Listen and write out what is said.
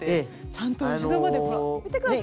ちゃんと後ろまでほら見て下さい。